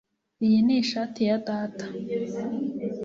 Iyi ni ishati ya data